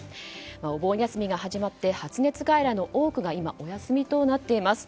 お盆休みが始まって発熱外来の多くが、今お休みとなっています。